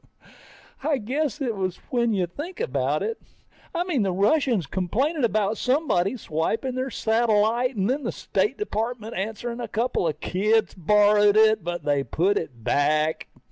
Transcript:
I guess it is when you think about it. I mean, the Russians complaining about somebody swiping their satellite and then the State Department answering a couple of kids borrowed it, but they put it back.